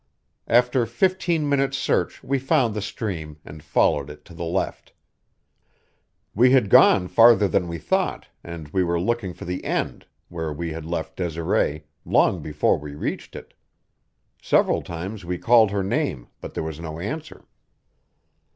After fifteen minutes' search we found the stream, and followed it to the left. We had gone farther than we thought, and we were looking for the end, where we had left Desiree, long before we reached it. Several times we called her name, but there was no answer.